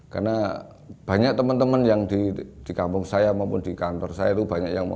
karena banyak teman teman yang di kampung saya maupun di kantor saya